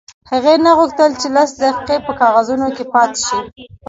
هغې نه غوښتل چې لس دقیقې په کاغذونو کې پاتې شي